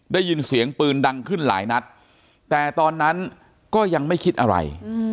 ได้ยินเสียงปืนดังขึ้นหลายนัดแต่ตอนนั้นก็ยังไม่คิดอะไร